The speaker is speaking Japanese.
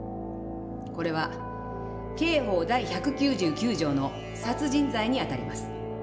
これは刑法第１９９条の殺人罪にあたります。